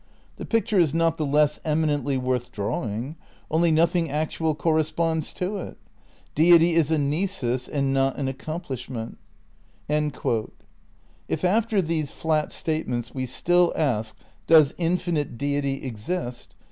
The picture is not the less eminently worth drawing. Only nothing actual corresponds to it. ... Deity is a nisus and not an accomplishment."* If after these flat statements we still ask 'TDoes infinite deity exist?"